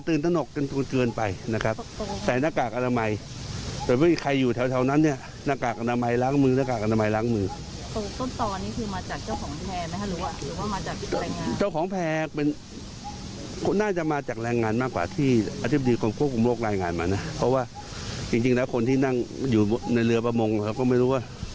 เพราะว่าคนที่เริ่มในเรือประมงก็ไม่รู้ว่าคิดพวกนี้โดยเรา